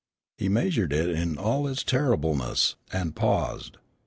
He measured it in all its terribleness, and paused.